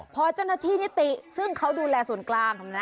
พอเจ้าหน้าที่นิติซึ่งเขาดูแลส่วนกลาง